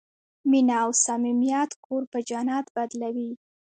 مینه او صمیمیت کور په جنت بدلوي.